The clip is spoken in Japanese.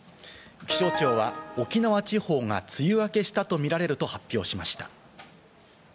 気象庁は、沖縄地方が梅雨明けしたとみられると発表しました。